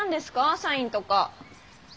サインとか。